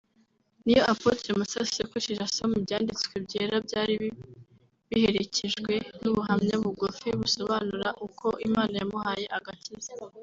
niyo Apotre Masasu yakoresheje asoma ibyanditswe byera byari biherekejwe n’ubuhamya bugufi busobanura uko Imana yamuhaye agakiza